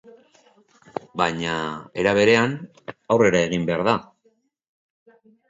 Baina, era berean, aurrera egin behar da.